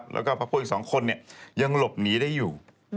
แล้วก็พักพวกอีก๒คนยังหลบหนีได้อยู่